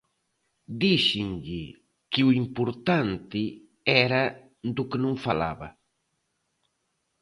Díxenlle que o importante era do que non falaba.